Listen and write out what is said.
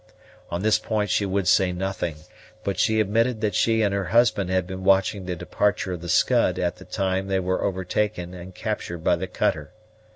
On this point she would say nothing; but she admitted that she and her husband had been watching the departure of the Scud at the time they were overtaken and captured by the cutter.